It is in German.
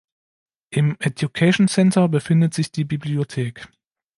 Im Education Center befindet sich die Bibliothek.